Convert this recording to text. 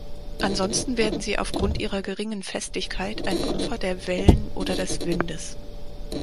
Ansonsten werden sie aufgrund ihrer geringen Festigkeit ein Opfer der Wellen oder des Windes.